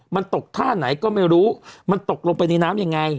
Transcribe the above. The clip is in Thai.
มันตกท่าไหนก็ไม่รู้มันตกลงไปในน้ำยังไง